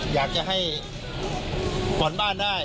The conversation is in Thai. อยากจะให้ผ่อนบ้านได้